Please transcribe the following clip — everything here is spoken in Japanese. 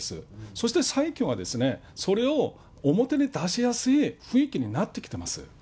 そして最近は、それを表に出しやすい雰囲気になってきてます。